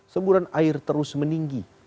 semburan air terus meninggi